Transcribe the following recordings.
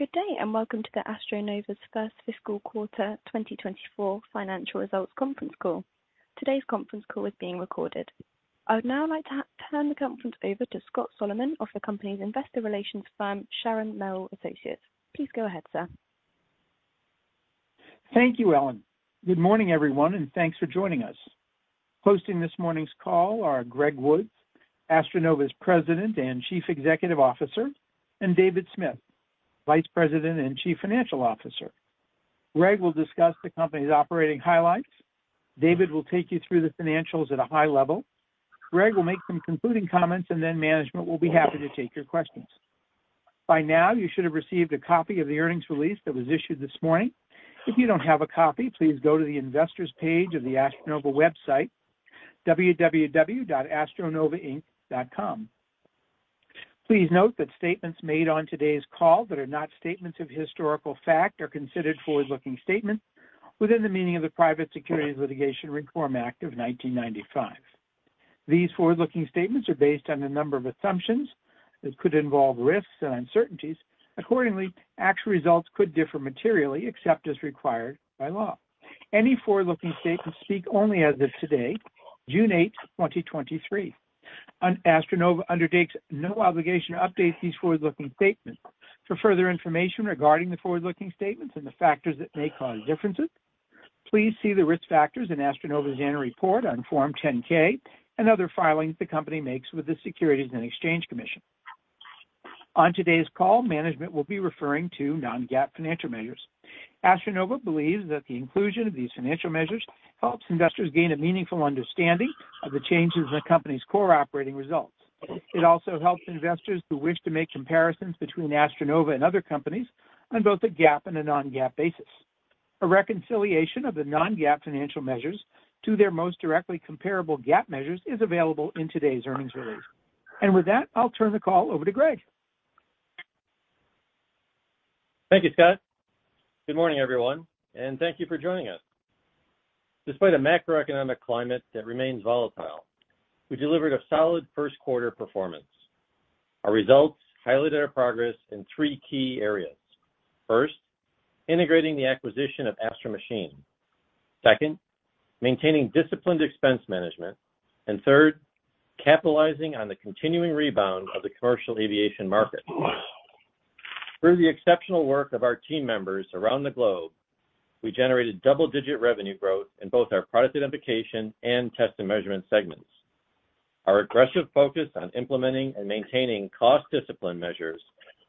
Good day, welcome to the AstroNova's first fiscal quarter 2024 financial results conference call. Today's conference call is being recorded. I would now like to turn the conference over to Scott Solomon of the company's investor relations firm, Sharon Merrill Associates. Please go ahead, sir. Thank you, Ellen. Good morning, everyone, thanks for joining us. Hosting this morning's call are Greg Woods, AstroNova's President and Chief Executive Officer, and David Smith, Vice President and Chief Financial Officer. Greg will discuss the company's operating highlights. David will take you through the financials at a high level. Greg will make some concluding comments, management will be happy to take your questions. By now, you should have received a copy of the earnings release that was issued this morning. If you don't have a copy, please go to the investors page of the AstroNova website, www.astronovainc.com. Please note that statements made on today's call that are not statements of historical fact are considered forward-looking statements within the meaning of the Private Securities Litigation Reform Act of 1995. These forward-looking statements are based on a number of assumptions that could involve risks and uncertainties. Accordingly, actual results could differ materially except as required by law. Any forward-looking statements speak only as of today, June 8th, 2023, and AstroNova undertakes no obligation to update these forward-looking statements. For further information regarding the forward-looking statements and the factors that may cause differences, please see the risk factors in AstroNova's annual report on Form 10-K and other filings the company makes with the Securities and Exchange Commission. On today's call, management will be referring to non-GAAP financial measures. AstroNova believes that the inclusion of these financial measures helps investors gain a meaningful understanding of the changes in the company's core operating results. It also helps investors who wish to make comparisons between AstroNova and other companies on both a GAAP and a non-GAAP basis. A reconciliation of the non-GAAP financial measures to their most directly comparable GAAP measures is available in today's earnings release. With that, I'll turn the call over to Greg. Thank you, Scott. Good morning, everyone, thank you for joining us. Despite a macroeconomic climate that remains volatile, we delivered a solid first quarter performance. Our results highlighted our progress in three key areas. First, integrating the acquisition of Astro Machine. Second, maintaining disciplined expense management. Third, capitalizing on the continuing rebound of the commercial aviation market. Through the exceptional work of our team members around the globe, we generated double-digit revenue growth in both our Product Identification and Test and Measurement segments. Our aggressive focus on implementing and maintaining cost discipline measures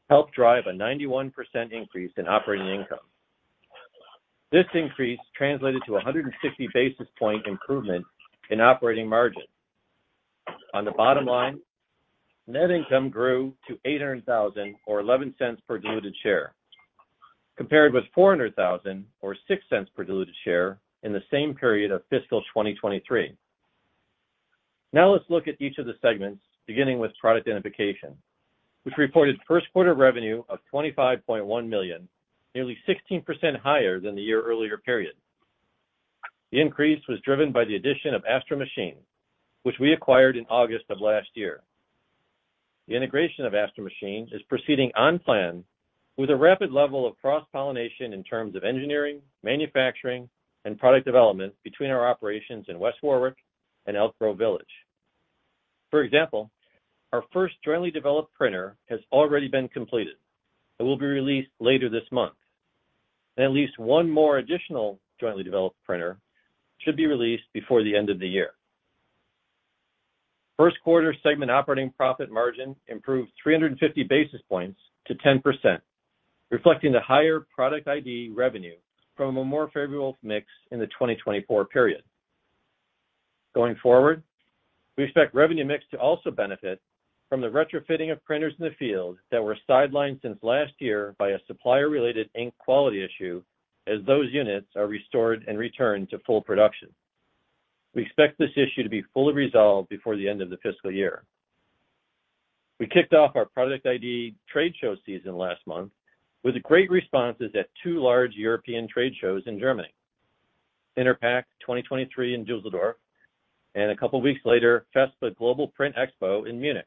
helped drive a 91% increase in operating income. This increase translated to a 160 basis point improvement in operating margin. On the bottom line, net income grew to $800,000 or $0.11 per diluted share, compared with $400,000 or $0.06 per diluted share in the same period of fiscal 2023. Let's look at each of the segments, beginning with Product Identification, which reported first quarter revenue of $25.1 million, nearly 16% higher than the year earlier period. The increase was driven by the addition of Astro Machine, which we acquired in August of last year. The integration of Astro Machine is proceeding on plan with a rapid level of cross-pollination in terms of engineering, manufacturing, and product development between our operations in West Warwick and Elk Grove Village. For example, our first jointly developed printer has already been completed and will be released later this month, and at least one more additional jointly developed printer should be released before the end of the year. First quarter segment operating profit margin improved 350 basis points to 10%, reflecting the higher Product ID revenue from a more favorable mix in the 2024 period. Going forward, we expect revenue mix to also benefit from the retrofitting of printers in the field that were sidelined since last year by a supplier-related ink quality issue, as those units are restored and returned to full production. We expect this issue to be fully resolved before the end of the fiscal year. We kicked off our Product ID trade show season last month with great responses at two large European trade shows in Germany, interpack 2023 in Düsseldorf, and a couple of weeks later, FESPA Global Print Expo in Munich.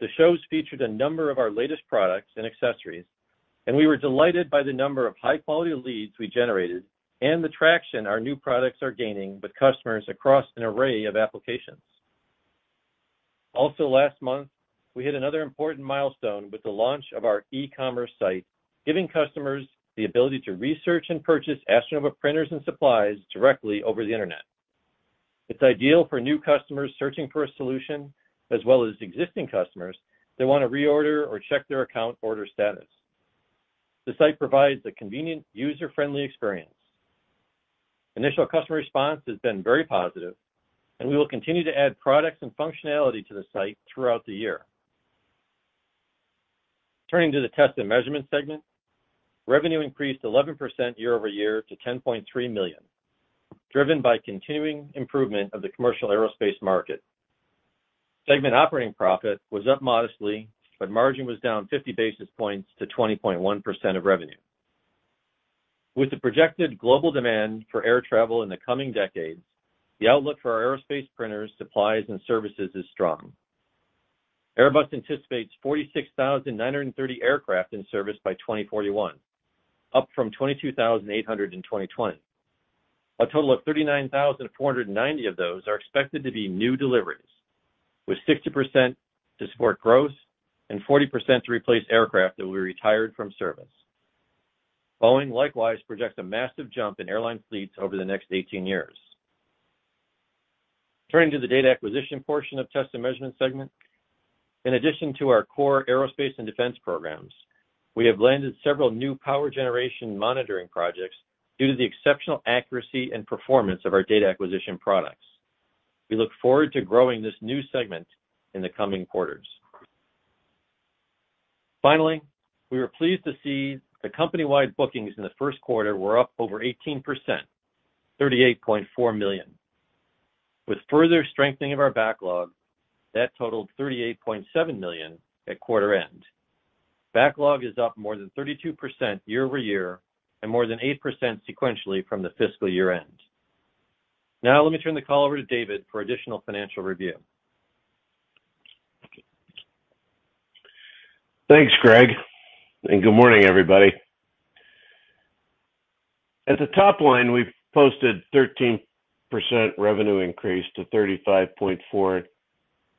The shows featured a number of our latest products and accessories, and we were delighted by the number of high-quality leads we generated and the traction our new products are gaining with customers across an array of applications. Also last month, we hit another important milestone with the launch of our e-commerce site, giving customers the ability to research and purchase AstroNova printers and supplies directly over the Internet. It's ideal for new customers searching for a solution, as well as existing customers that want to reorder or check their account order status. The site provides a convenient, user-friendly experience. Initial customer response has been very positive, and we will continue to add products and functionality to the site throughout the year. Turning to the Test and Measurement segment, revenue increased 11% year-over-year to $10.3 million, driven by continuing improvement of the commercial aerospace market. Segment operating profit was up modestly, but margin was down 50 basis points to 20.1% of revenue. With the projected global demand for air travel in the coming decades, the outlook for our aerospace printers, supplies, and services is strong. Airbus anticipates 46,930 aircraft in service by 2041, up from 22,800 in 2020. A total of 39,490 of those are expected to be new deliveries, with 60% to support growth and 40% to replace aircraft that will be retired from service. Boeing likewise projects a massive jump in airline fleets over the next 18 years. Turning to the data acquisition portion of Test and Measurement segment. In addition to our core aerospace and defense programs, we have landed several new power generation monitoring projects due to the exceptional accuracy and performance of our data acquisition products. We look forward to growing this new segment in the coming quarters. Finally, we were pleased to see the company-wide bookings in the first quarter were up over 18%, $38.4 million. With further strengthening of our backlog, that totaled $38.7 million at quarter end. Backlog is up more than 32% year-over-year and more than 8% sequentially from the fiscal year-end. Now, let me turn the call over to David for additional financial review. Thanks, Greg. Good morning, everybody. At the top line, we've posted 13% revenue increase to $35.4 million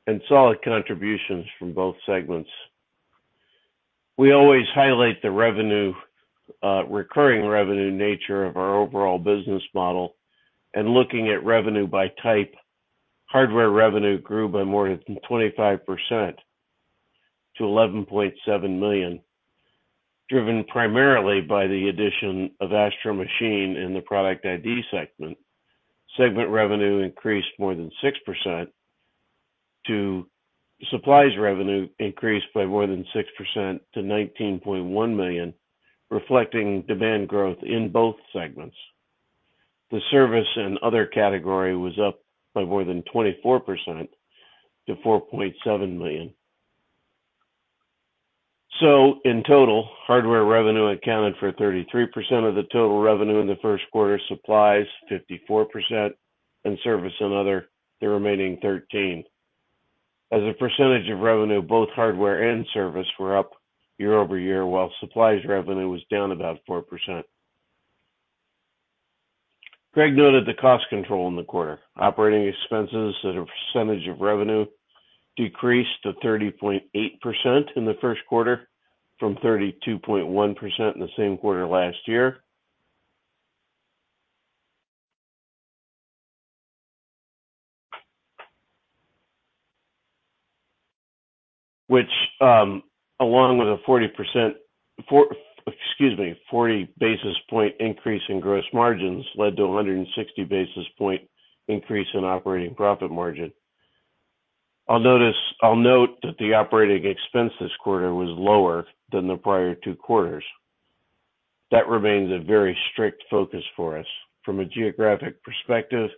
and solid contributions from both segments. We always highlight the revenue recurring revenue nature of our overall business model. Looking at revenue by type, hardware revenue grew by more than 25% to $11.7 million, driven primarily by the addition of Astro Machine in the Product ID segment. Supplies revenue increased by more than 6% to $19.1 million, reflecting demand growth in both segments. The service and other category was up by more than 24% to $4.7 million. In total, hardware revenue accounted for 33% of the total revenue in the first quarter, supplies 54%, and service and other, the remaining 13%. As a percentage of revenue, both hardware and service were up year-over-year, while supplies revenue was down about 4%. Greg noted the cost control in the quarter. Operating expenses as a percentage of revenue decreased to 30.8% in the first quarter from 32.1% in the same quarter last year. Which, along with a 40 basis point increase in gross margins led to a 160 basis point increase in operating profit margin. I'll note that the operating expense this quarter was lower than the prior two quarters. That remains a very strict focus for us. From a geographic perspective,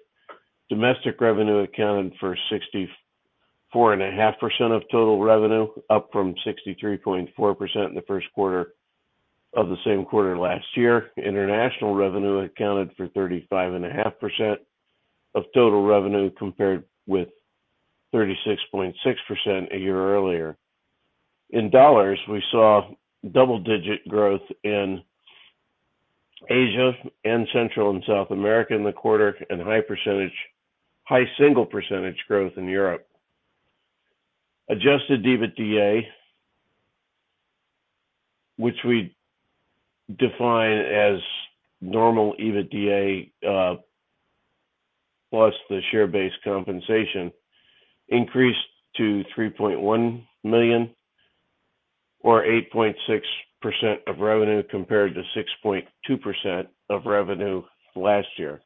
domestic revenue accounted for 64.5% of total revenue, up from 63.4% in the first quarter of the same quarter last year. International revenue accounted for 35.5% of total revenue, compared with 36.6% a year earlier. In dollars, we saw double-digit growth in Asia and Central and South America in the quarter, and high single-percentage growth in Europe. Adjusted EBITDA, which we define as normal EBITDA, plus the share-based compensation, increased to $3.1 million, or 8.6% of revenue, compared to 6.2% of revenue last year.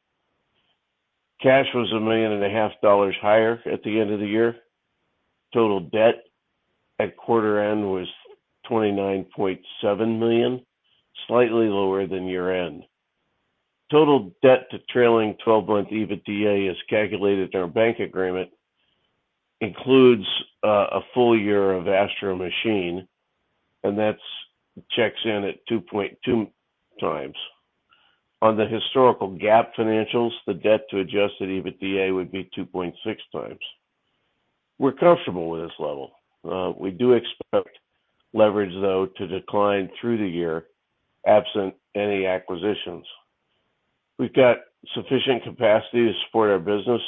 Cash was a million and a half dollars higher at the end of the year. Total debt at quarter end was $29.7 million, slightly lower than year-end. Total debt to trailing twelve-month EBITDA is calculated in our bank agreement, includes a full year of Astro Machine, and that's checks in at 2.2x. On the historical GAAP financials, the debt to adjusted EBITDA would be 2.6x. We're comfortable with this level. We do expect leverage, though, to decline through the year, absent any acquisitions. We've got sufficient capacity to support our business,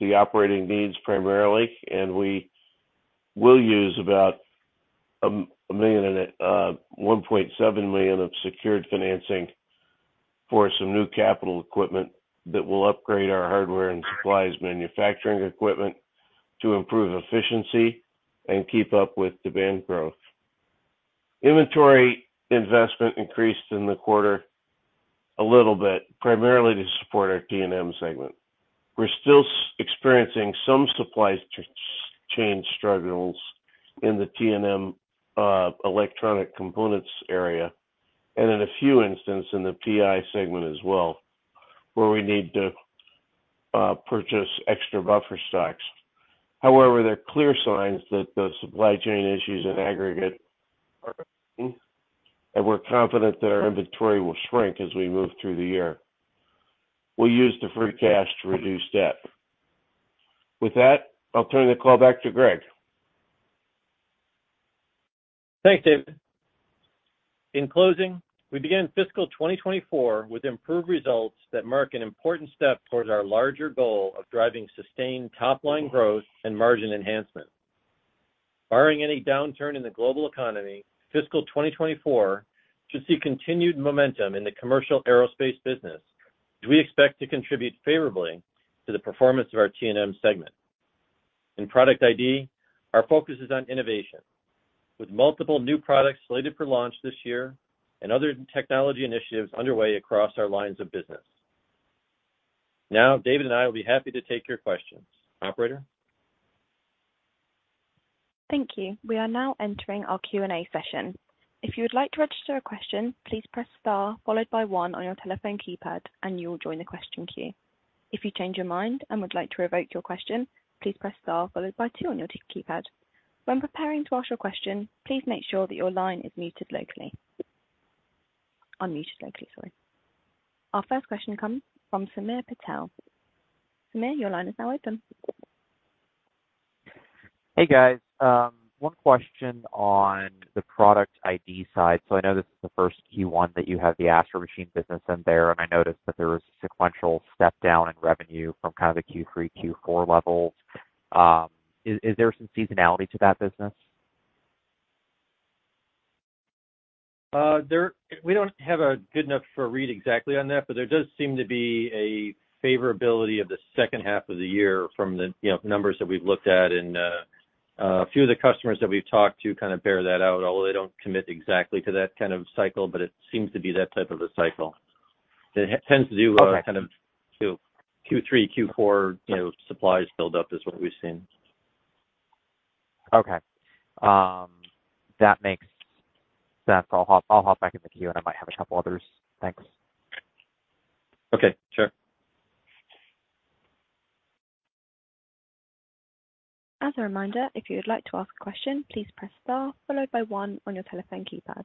the operating needs primarily, and we will use about $1.7 million of secured financing for some new capital equipment that will upgrade our hardware and supplies manufacturing equipment to improve efficiency and keep up with demand growth. Inventory investment increased in the quarter a little bit, primarily to support our T&M segment. We're still experiencing some supply chain struggles in the T&M electronic components area, and in a few instances in the PI segment as well, where we need to purchase extra buffer stocks. However, there are clear signs that the supply chain issues in aggregate are, and we're confident that our inventory will shrink as we move through the year. We'll use the free cash to reduce debt. With that, I'll turn the call back to Greg. Thanks, David. In closing, we began fiscal 2024 with improved results that mark an important step towards our larger goal of driving sustained top-line growth and margin enhancement. Barring any downturn in the global economy, fiscal 2024 should see continued momentum in the commercial aerospace business, which we expect to contribute favorably to the performance of our T&M segment. In Product ID, our focus is on innovation, with multiple new products slated for launch this year and other technology initiatives underway across our lines of business. Now, David and I will be happy to take your questions. Operator? Thank you. We are now entering our Q&A session. If you would like to register a question, please press star followed by one on your telephone keypad, and you will join the question queue. If you change your mind and would like to revoke your question, please press star followed by two on your keypad. When preparing to ask your question, please make sure that your line is muted locally. Unmuted locally, sorry. Our first question comes from Samir Patel. Samir, your line is now open. Hey, guys. One question on the Product ID side. I know this is the first Q1 that you have the Astro Machine business in there, and I noticed that there was a sequential step down in revenue from kind of the Q3, Q4 levels. Is there some seasonality to that business? There we don't have a good enough for a read exactly on that, but there does seem to be a favorability of the second half of the year from the, you know, numbers that we've looked at. A few of the customers that we've talked to kind of bear that out, although they don't commit exactly to that kind of cycle, but it seems to be that type of a cycle. It tends to do. Okay. Kind of Q3, Q4, you know, supplies build up is what we've seen. Okay. That makes sense. I'll hop back in the queue, and I might have a couple others. Thanks. Okay, sure. As a reminder, if you would like to ask a question, please press star followed by one on your telephone keypad.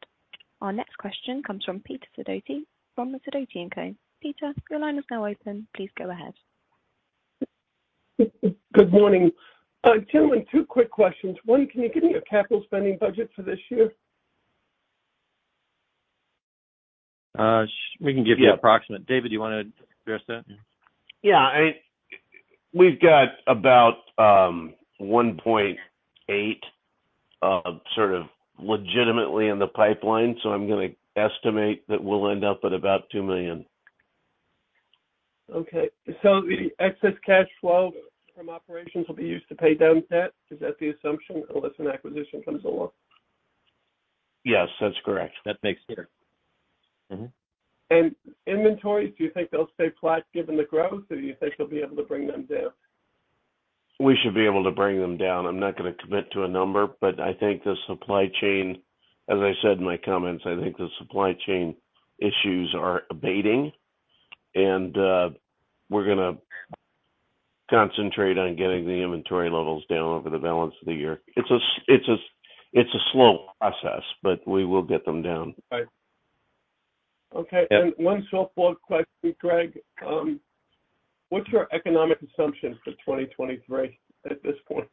Our next question comes from Peter Sidoti, from the Sidoti & Co. Peter, your line is now open. Please go ahead. Good morning. gentlemen, two quick questions. One, can you give me a capital spending budget for this year? We can give you an approximate. David, do you want to address that? Yeah. We've got about 1.8, sort of legitimately in the pipeline. I'm gonna estimate that we'll end up at about $2 million. Okay. The excess cash flow from operations will be used to pay down debt. Is that the assumption, unless an acquisition comes along? Yes, that's correct. That makes sense. Mm-hmm. Inventories, do you think they'll stay flat given the growth, or do you think you'll be able to bring them down? We should be able to bring them down. I'm not going to commit to a number, but I think the supply chain, as I said in my comments, I think the supply chain issues are abating, and we're gonna concentrate on getting the inventory levels down over the balance of the year. It's a slow process, but we will get them down. Right. Okay. Yeah. One softball question, Greg. What's your economic assumptions for 2023 at this point?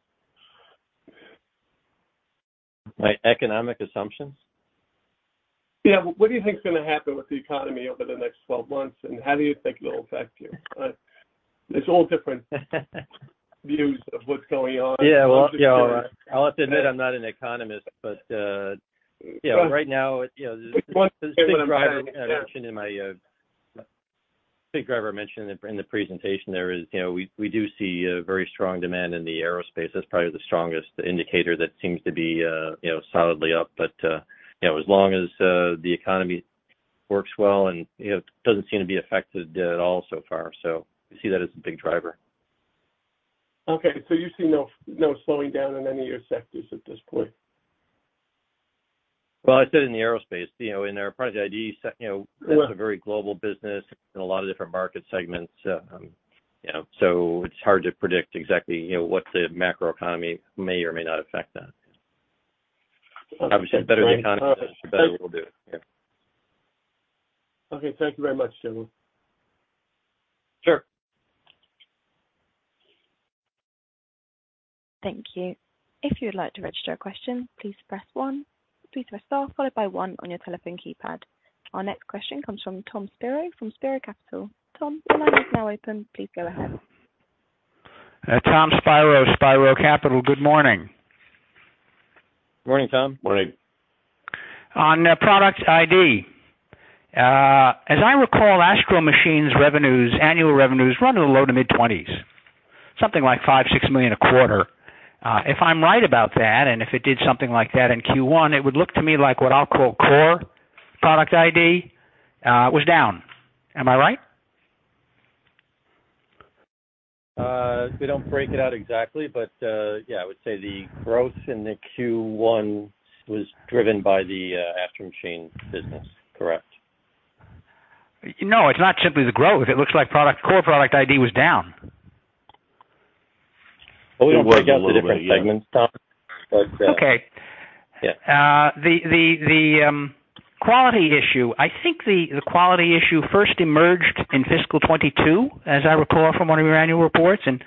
My economic assumptions? Yeah. What do you think is gonna happen with the economy over the next 12 months, and how do you think it'll affect you? There's all different views of what's going on. Yeah, well, you know, I'll have to admit, I'm not an economist, but, you know, right now, you know, as I mentioned in my big driver I mentioned in the presentation there is, you know, we do see a very strong demand in the aerospace. That's probably the strongest indicator that seems to be, you know, solidly up. You know, as long as the economy works well and, you know, doesn't seem to be affected at all so far. We see that as a big driver. Okay, you see no slowing down in any of your sectors at this point? Well, I said in the aerospace, you know, in our Product ID, you know, it's a very global business in a lot of different market segments, you know, so it's hard to predict exactly, you know, what the macroeconomy may or may not affect that. Obviously, the better the economy, the better we'll do. Yeah. Okay, thank you very much, gentlemen. Sure. Thank you. If you would like to register a question, please press one. Please press star followed by one on your telephone keypad. Our next question comes from Tom Spiro, from Spiro Capital. Tom, your line is now open. Please go ahead. Tom Spiro Capital. Good morning. Morning, Tom. Morning. On Product ID. As I recall, Astro Machine's revenues, annual revenues, run in the low to mid-20s, something like $5 million-$6 million a quarter. If I'm right about that, and if it did something like that in Q1, it would look to me like what I'll call core Product ID, was down. Am I right? We don't break it out exactly, but, yeah, I would say the growth in the Q1 was driven by the Astro Machine business. Correct. You know, it's not simply the growth. It looks like product, core Product ID was down. Well, we don't break out the different segments, Tom. Okay. Yeah. The quality issue. I think the quality issue first emerged in fiscal 2022, as I recall from one of your annual reports, and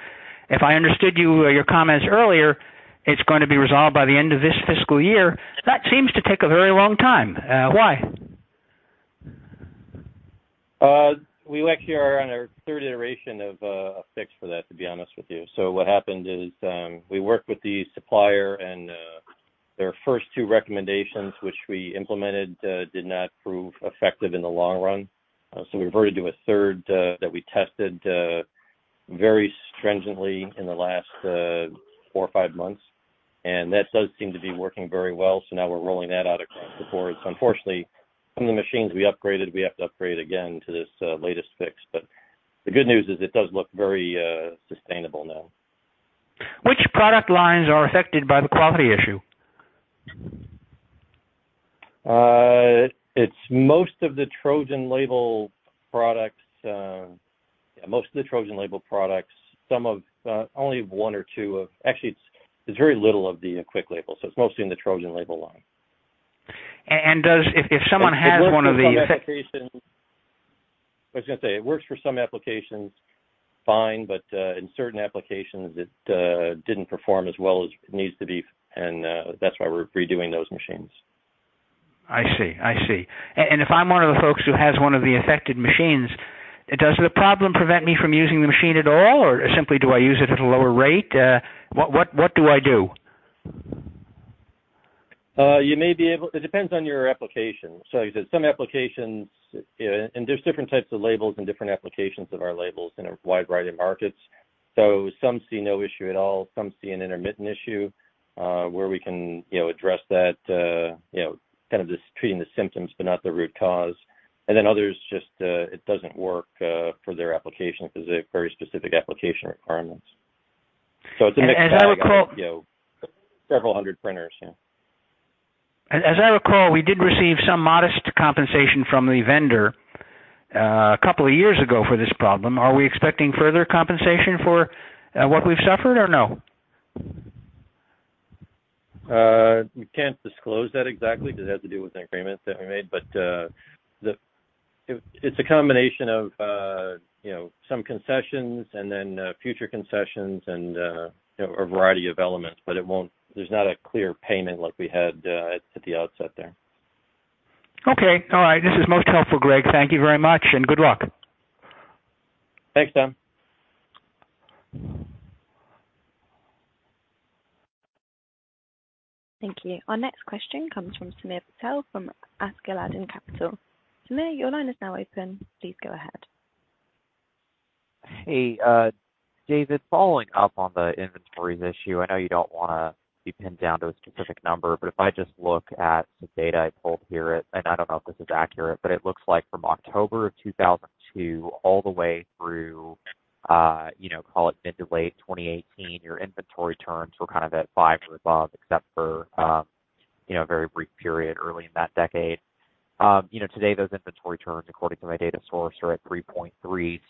if I understood you, your comments earlier, it's going to be resolved by the end of this fiscal year. That seems to take a very long time. Why? We actually are on our third iteration of a fix for that, to be honest with you. What happened is we worked with the supplier, and their first two recommendations, which we implemented, did not prove effective in the long run. We reverted to a third that we tested very stringently in the last four or five months, and that does seem to be working very well. Now we're rolling that out across the board. Unfortunately, some of the machines we upgraded, we have to upgrade again to this latest fix. The good news is it does look very sustainable now. Which product lines are affected by the quality issue? It's most of the TrojanLabel products. Yeah, most of the TrojanLabel products. Actually, it's very little of the QuickLabel. It's mostly in the TrojanLabel line. If someone has one of. I was gonna say, it works for some applications fine, but in certain applications it didn't perform as well as it needs to be, and that's why we're redoing those machines. I see. I see. If I'm one of the folks who has one of the affected machines, does the problem prevent me from using the machine at all, or simply do I use it at a lower rate? What do I do? You may be able. It depends on your application. Like I said, some applications, and there's different types of labels and different applications of our labels in a wide variety of markets. Some see no issue at all. Some see an intermittent issue, where we can, you know, address that, you know, kind of just treating the symptoms but not the root cause. Others just, it doesn't work, for their application because they have very specific application requirements. as I. Several hundred printers, yeah. As I recall, we did receive some modest compensation from the vendor, a couple of years ago for this problem. Are we expecting further compensation for what we've suffered or no? We can't disclose that exactly because it has to do with an agreement that we made, but, it's a combination of, you know, some concessions and then, future concessions and, you know, a variety of elements, but there's not a clear payment like we had, at the outset there. Okay. All right. This is most helpful, Greg. Thank you very much, and good luck. Thanks, Tom. Thank you. Our next question comes from Samir Patel from Askeladden Capital. Samir, your line is now open. Please go ahead. Hey, David, following up on the inventories issue, I know you don't want to be pinned down to a specific number, but if I just look at the data I pulled here, and I don't know if this is accurate, but it looks like from October of 2002 all the way through, you know, call it mid to late 2018, your inventory turns were kind of at five or above, except for, you know, a very brief period early in that decade. You know, today those inventory turns, according to my data source, are at 3.3.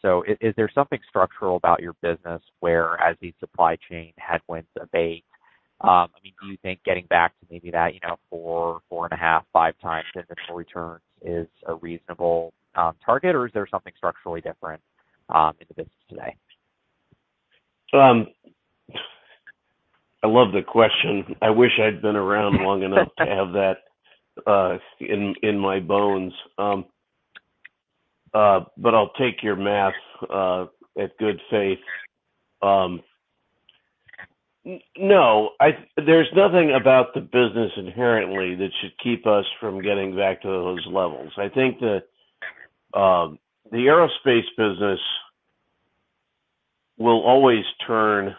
Is there something structural about your business where as these supply chain headwinds abate, I mean, do you think getting back to maybe that, you know, 4.5x inventory turns is a reasonable target, or is there something structurally different in the business today? I love the question. I wish I'd been around long enough to have that in my bones. There's nothing about the business inherently that should keep us from getting back to those levels. I think that the aerospace business will always turn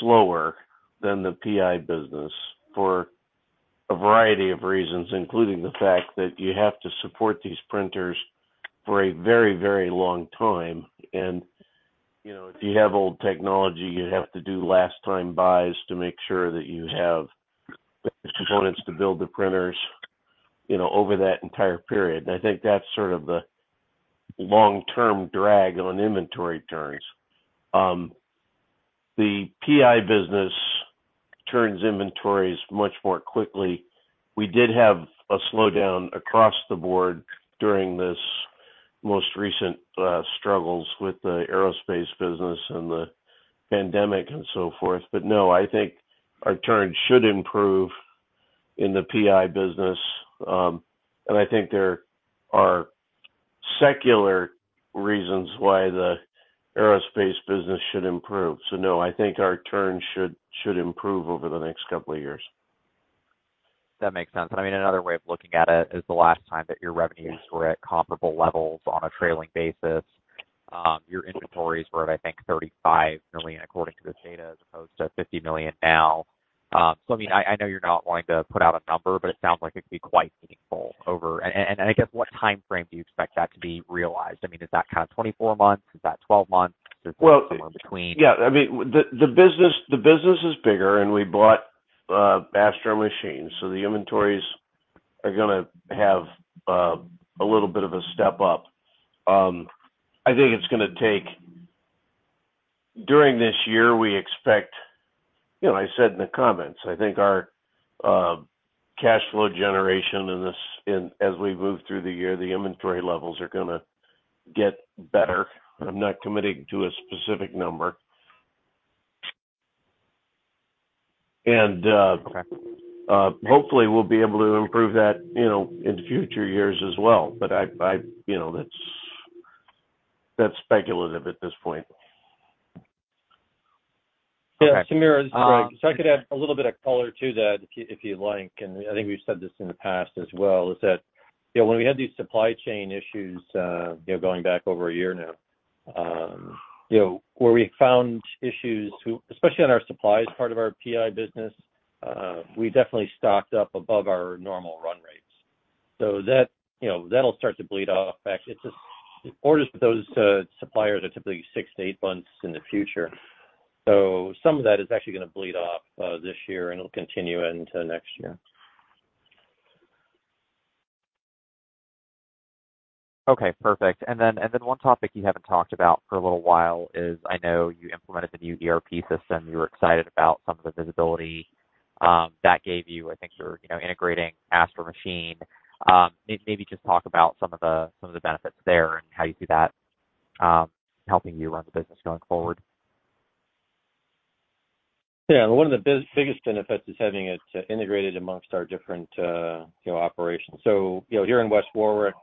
slower than the Product ID business for a variety of reasons, including the fact that you have to support these printers for a very, very long time. You know, if you have old technology, you have to do last time buys to make sure that you have the components to build the printers, you know, over that entire period. I think that's sort of the long-term drag on inventory turns. The Product ID business turns inventories much more quickly. We did have a slowdown across the board during this most recent struggles with the aerospace business and the pandemic and so forth. No, I think our turns should improve in the PI business. I think there are secular reasons why the aerospace business should improve. No, I think our turns should improve over the next couple of years. That makes sense. I mean, another way of looking at it is the last time that your revenues were at comparable levels on a trailing basis, your inventories were at, I think, $35 million, according to this data, as opposed to $50 million now. I mean, I know you're not wanting to put out a number, but it sounds like it could be quite meaningful. I guess, what time frame do you expect that to be realized? I mean, is that kind of 24 months? Is that 12 months or somewhere in between? Well, yeah, I mean, the business is bigger, we bought Astro Machine, the inventories are gonna have a little bit of a step up. I think it's gonna take. During this year, we expect, you know, I said in the comments, I think our cash flow generation as we move through the year, the inventory levels are gonna get better. I'm not committing to a specific number. Okay. Hopefully, we'll be able to improve that, you know, in future years as well. I, you know, that's speculative at this point. Okay. Yeah, Samir, this is Greg. I could add a little bit of color to that if you, if you'd like, and I think we've said this in the past as well, is that, you know, when we had these supply chain issues, you know, going back over a year now, you know, where we found issues. Especially on our supplies, part of our PI business, we definitely stocked up above our normal run rates. That, you know, that'll start to bleed off. Actually, it's just orders for those suppliers are typically six to eight months in the future. Some of that is actually gonna bleed off this year, and it'll continue into next year. Okay, perfect. One topic you haven't talked about for a little while is, I know you implemented the new ERP system. You were excited about some of the visibility that gave you. I think you're, you know, integrating Astro Machine. Maybe just talk about some of the benefits there and how you see that helping you run the business going forward. One of the biggest benefits is having it integrated amongst our different, you know, operations. Here in West Warwick,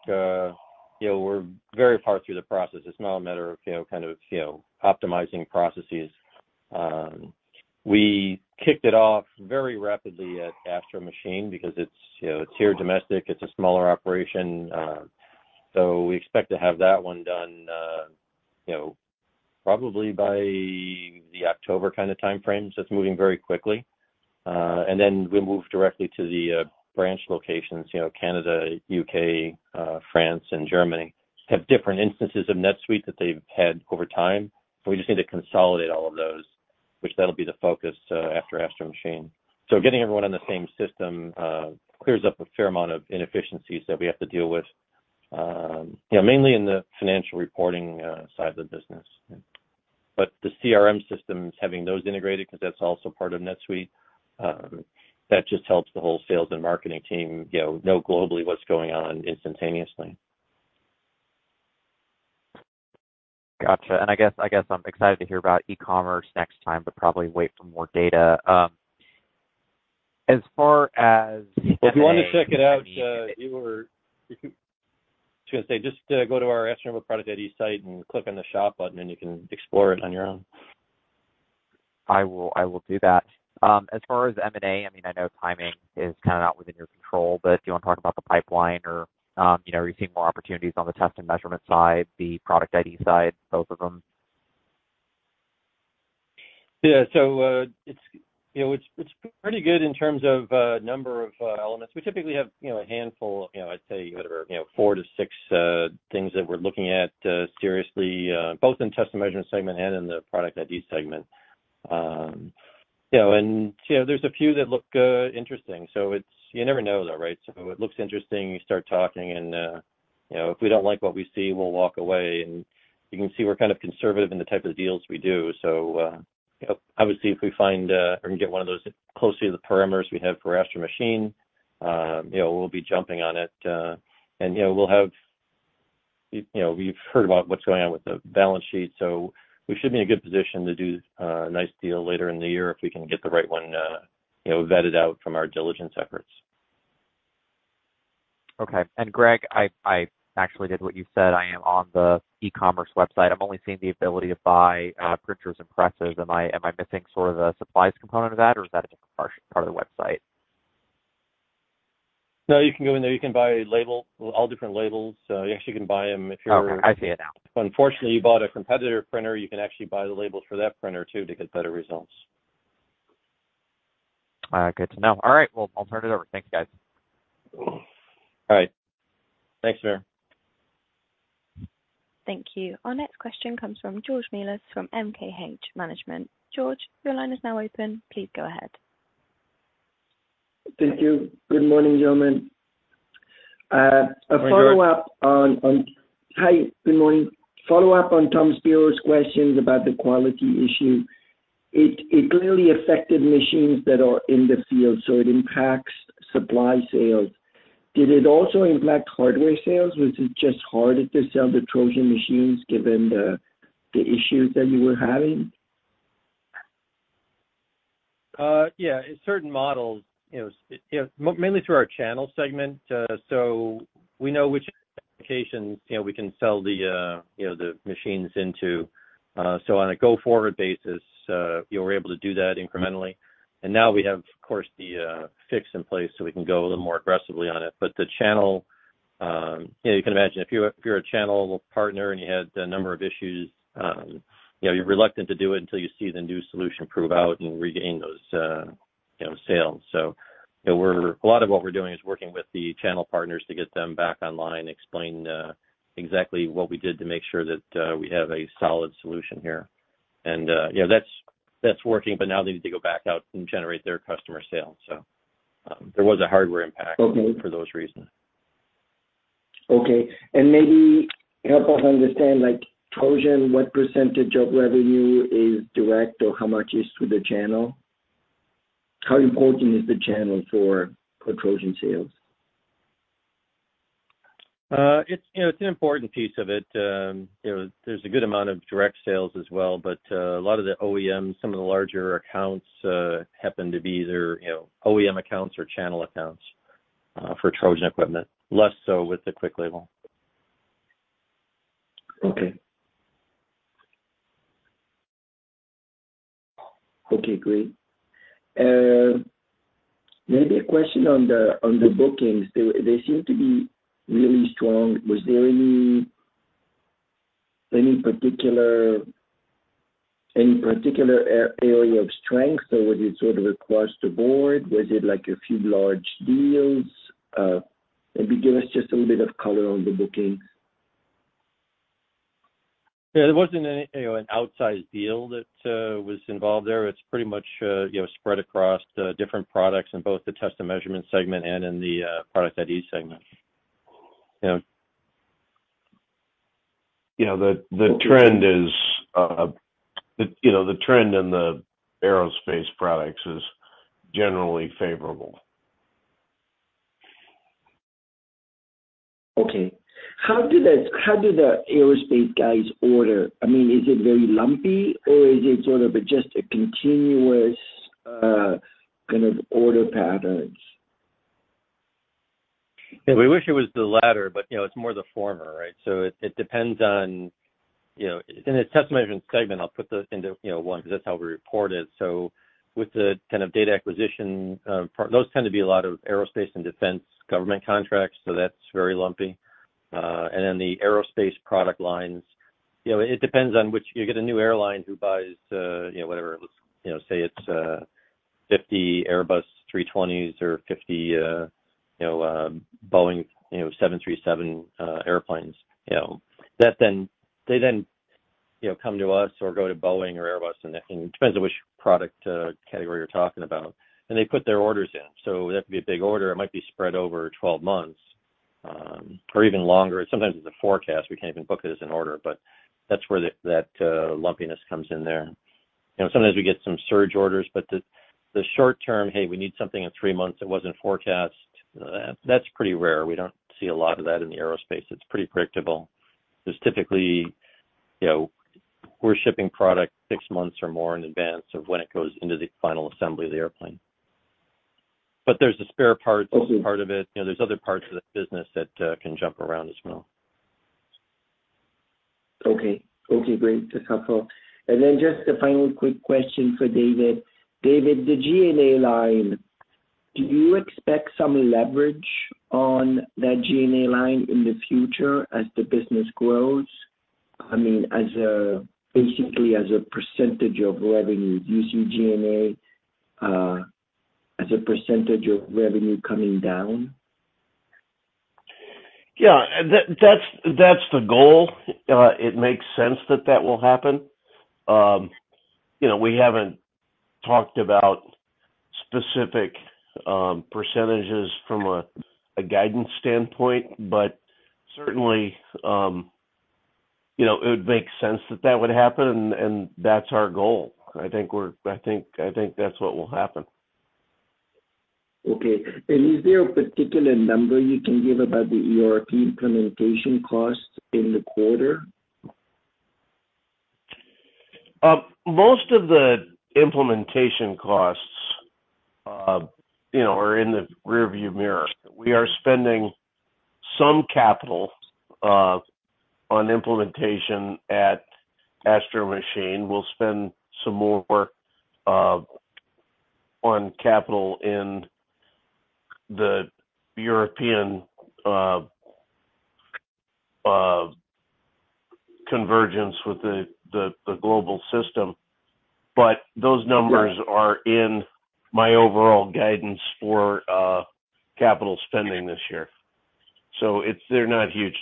you know, we're very far through the process. It's now a matter of, you know, kind of, you know, optimizing processes. We kicked it off very rapidly at Astro Machine because it's, you know, it's here domestic, it's a smaller operation. We expect to have that one done, you know, probably by the October kind of timeframe. It's moving very quickly. Then we move directly to the branch locations. You know, Canada, U.K., France, and Germany have different instances of NetSuite that they've had over time. We just need to consolidate all of those, which that'll be the focus after Astro Machine. Getting everyone on the same system, clears up a fair amount of inefficiencies that we have to deal with, you know, mainly in the financial reporting side of the business. The CRM systems, having those integrated, 'cause that's also part of NetSuite, that just helps the whole sales and marketing team, you know globally what's going on instantaneously. Gotcha. I guess, I guess I'm excited to hear about e-commerce next time, but probably wait for more data. As far as M&A. If you want to check it out, I was gonna say, just go to our AstroNova Product ID site and click on the Shop button, you can explore it on your own. I will do that. As far as M&A, I mean, I know timing is kind of not within your control, but do you want to talk about the pipeline or, you know, are you seeing more opportunities on the Test and Measurement side, the Product ID side, both of them? Yeah. It's, you know, it's pretty good in terms of, number of, elements. We typically have, you know, a handful, you know, I'd say, whatever, you know, four to six, things that we're looking at, seriously, both in Test and Measurement segment and in the Product ID segment. You know, and, you know, there's a few that look, interesting. It's... You never know, though, right? It looks interesting. You start talking and, you know, if we don't like what we see, we'll walk away. You can see we're kind of conservative in the type of deals we do. You know, obviously, if we find, or we get one of those closely to the parameters we have for Astro Machine, you know, we'll be jumping on it, and, you know, we'll have, you know, we've heard about what's going on with the balance sheet, so we should be in a good position to do a nice deal later in the year if we can get the right one, you know, vetted out from our diligence efforts. Okay. Greg, I actually did what you said. I am on the e-commerce website. I'm only seeing the ability to buy printers and presses. Am I missing sort of the supplies component of that, or is that a different part of the website? No, you can go in there. You can buy label, all different labels. You actually can buy them. Oh, I see it now. Unfortunately, you bought a competitor printer, you can actually buy the labels for that printer, too, to get better results. Good to know. All right, well, I'll turn it over. Thank you, guys. All right. Thanks, Samir. Thank you. Our next question comes from George Melas-Kyriazi from MKH Management. George, your line is now open. Please go ahead. Thank you. Good morning, gentlemen. A follow-up on. Hi, George. Hi, good morning. Follow-up on Tom Spiro's questions about the quality issue. It clearly affected machines that are in the field, so it impacts supply sales. Did it also impact hardware sales? Was it just harder to sell the Trojan machines given the issues that you were having? Yeah, in certain models, you know, mainly through our channel segment. We know which applications, you know, we can sell the, you know, the machines into. On a go-forward basis, we're able to do that incrementally. Now we have, of course, the fix in place, so we can go a little more aggressively on it. The channel. Yeah, you can imagine if you're a channel partner and you had a number of issues, you know, you're reluctant to do it until you see the new solution prove out and regain those, you know, sales. You know, a lot of what we're doing is working with the channel partners to get them back online, explain exactly what we did to make sure that we have a solid solution here. you know, that's working, but now they need to go back out and generate their customer sales. there was a hardware impact- Okay. for those reasons. Okay. Maybe help us understand, like, Trojan, what % of revenue is direct or how much is through the channel? How important is the channel for Trojan sales? It's, you know, it's an important piece of it. You know, there's a good amount of direct sales as well, but a lot of the OEMs, some of the larger accounts, happen to be either, you know, OEM accounts or channel accounts, for Trojan equipment, less so with the QuickLabel. Okay. Okay, great. maybe a question on the bookings. They seem to be really strong. Was there any particular area of strength, or was it sort of across the board? Was it like a few large deals? maybe give us just a little bit of color on the bookings. Yeah, there wasn't any, you know, an outsized deal that was involved there. It's pretty much, you know, spread across the different products in both the Test and Measurement segment and in the Product ID segment. You know. You know, the trend is, you know, the trend in the aerospace products is generally favorable. Okay. How do the aerospace guys order? I mean, is it very lumpy, or is it sort of just a continuous, kind of order patterns? Yeah, we wish it was the latter, but, you know, it's more the former, right? It depends on, you know. In the Test and Measurement segment, I'll put those into, you know, one, because that's how we report it. With the kind of data acquisition, those tend to be a lot of aerospace and defense government contracts, so that's very lumpy. The aerospace product lines, you know, it depends on which, you get a new airline who buys, you know, whatever, you know, say it's, 50 Airbus A320s or 50, you know, Boeing 737 airplanes, you know. They then, you know, come to us or go to Boeing or Airbus, and it depends on which product category you're talking about, and they put their orders in. That could be a big order. It might be spread over 12 months, or even longer. Sometimes it's a forecast. We can't even book it as an order, that's where that lumpiness comes in there. You know, sometimes we get some surge orders. The short term, "Hey, we need something in three months that wasn't forecast," that's pretty rare. We don't see a lot of that in the aerospace. It's pretty predictable. There's typically, you know, we're shipping product six months or more in advance of when it goes into the final assembly of the airplane. There's a spare parts part of it. You know, there's other parts of the business that can jump around as well. Okay. Okay, great. That's helpful. Just a final quick question for David. David, the G&A line, do you expect some leverage on that G&A line in the future as the business grows? I mean, basically as a percentage of revenue, do you see G&A as a percentage of revenue coming down? Yeah, that's the goal. It makes sense that that will happen. You know, we haven't talked about specific percentage from a guidance standpoint, but certainly, you know, it would make sense that that would happen, and that's our goal. I think that's what will happen. Okay. Is there a particular number you can give about the ERP implementation costs in the quarter? Most of the implementation costs, you know, are in the rearview mirror. We are spending some capital, on implementation at Astro Machine. We'll spend some more, on capital in the European convergence with the global system. Those numbers- Yeah. are in my overall guidance for capital spending this year. It's, they're not huge.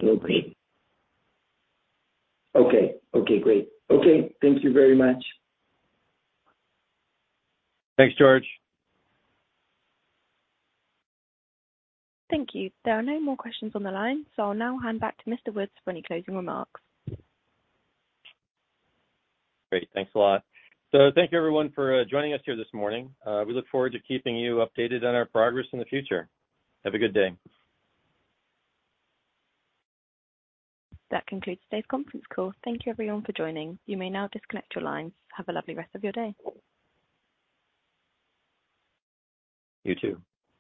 Okay. Okay, great. Okay. Thank you very much. Thanks, George. Thank you. There are no more questions on the line, so I'll now hand back to Mr. Woods for any closing remarks. Great. Thanks a lot. Thank you, everyone, for joining us here this morning. We look forward to keeping you updated on our progress in the future. Have a good day. That concludes today's conference call. Thank you, everyone, for joining. You may now disconnect your lines. Have a lovely rest of your day. You too.